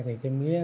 thì cái mía